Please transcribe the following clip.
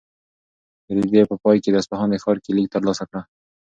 رېدي په پای کې د اصفهان د ښار کیلي ترلاسه کړه.